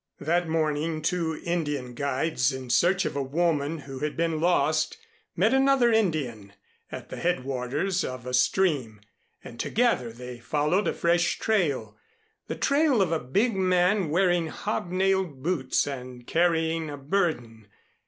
That morning two Indian guides in search of a woman who had been lost, met another Indian at the headwaters of a stream, and together they followed a fresh trail the trail of a big man wearing hob nailed boots and carrying a burden.